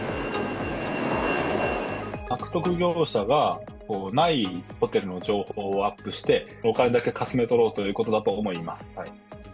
悪徳業者がないホテルの情報をアップして、お金だけかすめ取ろうということだと思います。